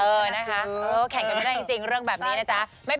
เออนะคะแข่งกันไม่ได้จริงเรื่องแบบนี้นะจ๊ะ